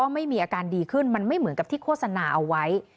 มันไม่เหมือนกับที่โฆษณาเอาไว้